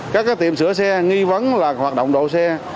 các tiệm sửa xe nghi vấn hoạt động độ xe